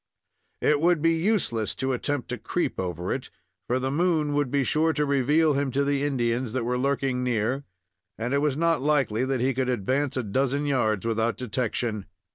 It would be useless to attempt to creep over it, for the moon would be sure to reveal him to the Indians that were lurking near, and it was not likely that he could advance a dozen yards without detection.